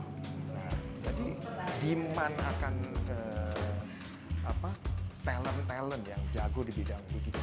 nah jadi demand akan talent talent yang jago di bidang digital